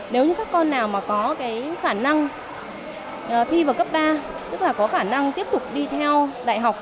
nếu như các con nào mà có cái khả năng thi vào cấp ba tức là có khả năng tiếp tục đi theo đại học